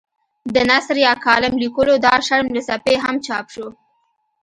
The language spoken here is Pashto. د نثر یا کالم لیکلو دا شرم له سپي هم چاپ شو.